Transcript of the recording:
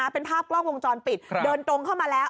เป็นภาพกล้องวงจรปิดเดินตรงเข้ามาแล้ว